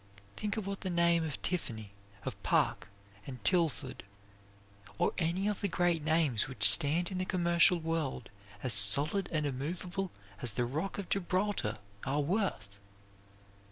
Think of what the name of Tiffany, of Park and Tilford, or any of the great names which stand in the commercial world as solid and immovable as the rock of Gibraltar, are worth!